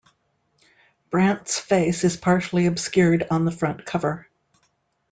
Brant's face is partially obscured on the front cover.